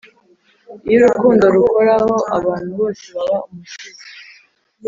iyo urukundo rukoraho abantu bose baba umusizi